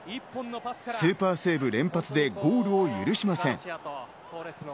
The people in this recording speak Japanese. スーパーセーブ連発でゴールを許しません。